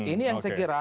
ini yang sekira